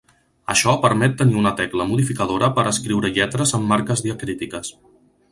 Això permet tenir una tecla modificadora per escriure lletres amb marques diacrítiques.